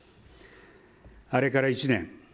あれから１年。